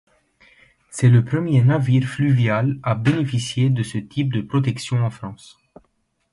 C'est le premier navire fluvial à bénéficier de ce type de protection en France.